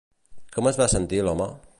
Com es va sentir l'home?